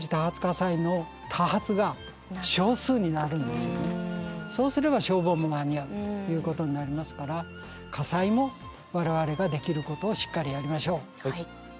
地震のあとそうすれば消防も間に合うということになりますから火災も我々ができることをしっかりやりましょう。